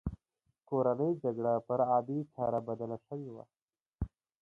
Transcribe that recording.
کورنۍ جګړه پر عادي چاره بدله شوې وه